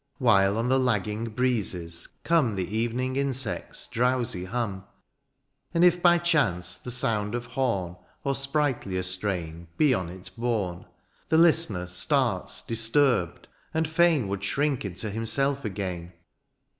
34 DIONYSIUS; While on the laggmg breezes come The evening insects' drowsy hum ; And if^ by chance^ the somid of hom^ Or sprighdier strain be on it borne. The listener starts disturbed, and fain Would shrink into himself again.